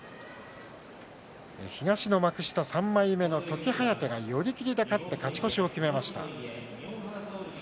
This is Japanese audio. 東の幕下３枚目の時疾風が寄り切りで勝って勝ち越しを決めました。